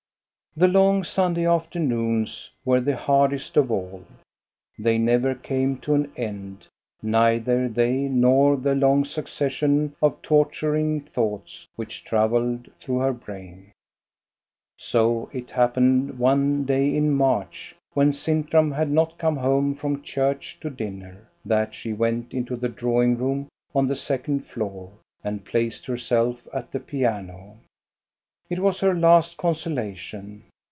The long Sunday afternoons were the hardest of all. They never came to an end, neither they nor the long succession of torturing thoughts which travelled through her brain. So it happened one day in March, when Sintram had not come home from church to dinner, that she went into the drawing room, on the second floor, and placed herself at the piano. It was her last consola tion.